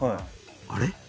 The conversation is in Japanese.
あれ？